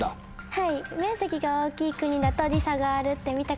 はい。